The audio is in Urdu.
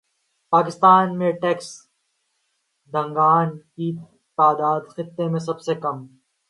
پاکستان میں ٹیکس دہندگان کی تعداد خطے میں سب سے کم